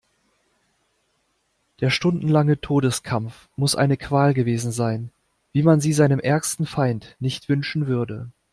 Der stundenlange Todeskampf muss eine Qual gewesen sein, wie man sie seinem ärgsten Feind nicht wünschen würde.